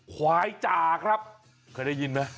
ควายจ่าครับเคยได้ยินไหม